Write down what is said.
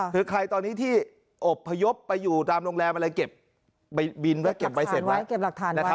คือใครตอนนี้ที่อบพยพไปอยู่ตามโรงแรมอะไรเก็บบินไว้เก็บใบเสร็จไว้